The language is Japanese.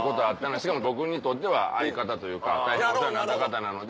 しかも僕にとっては相方というか大変お世話になった方なので。